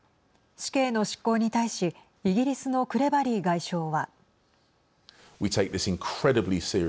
死刑の執行に対しイギリスのクレバリー外相は。